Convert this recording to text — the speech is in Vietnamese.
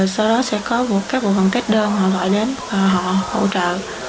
sau đó sẽ có các bộ phần test đơn họ gọi đến và họ hỗ trợ